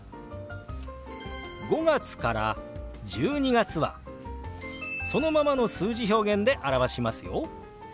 ５月から１２月はそのままの数字表現で表しますよ。